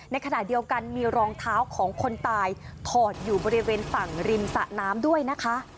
ในขณะเดียวกันมีรองเท้าของคนตายถอดอยู่บริเวณฝั่งริมสะน้ำด้วยนะคะ